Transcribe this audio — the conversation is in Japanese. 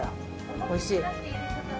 おいしい。